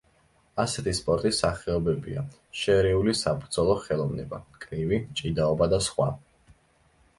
ასეთი სპორტის სახეობებია: შერეული საბრძოლო ხელოვნება, კრივი, ჭიდაობა და სხვა.